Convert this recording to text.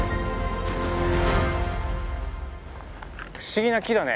不思議な木だね。